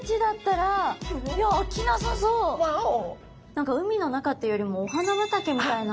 何か海の中というよりもお花畑みたいな。